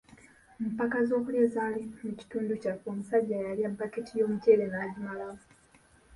Mu mpaka z'okulya ezaali mu kitundu kyaffe omusajja yalya baketi y'omuceere n'agimalawo